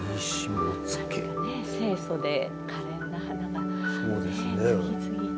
清そでかれんな花がね次々と。